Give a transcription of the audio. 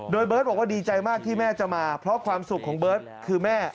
โดยเบิร์ตบอกว่าดีใจมากที่แม่จะมาเพราะความสุขของเบิร์ตคือแม่